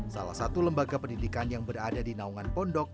salah satu lembaga pendidikan yang berada di naungan pondok